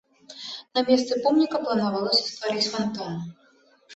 На месцы помніка планавалася стварыць фантан.